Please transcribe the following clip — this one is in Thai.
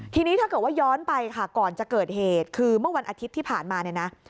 ทีนี้ถ้าเกิดว่าย้อนไปค่ะก่อนจะเกิดเหตุคือเมื่อวันอาทิตย์ที่ผ่านมาเนี่ยนะ